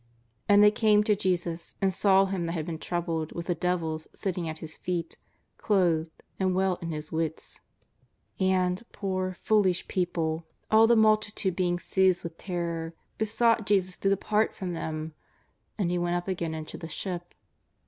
And they came to Jesus, and saw him that had been troubled with the devils sitting at His feet, clothed and well in his wits." JESUS OF NAZAEETH. 229 And — poor, foolish people — all the multitude being seized with terror, besought Jesus to depart from them. And He went up again into the ship.